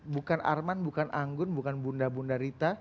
bukan arman bukan anggun bukan bunda bunda rita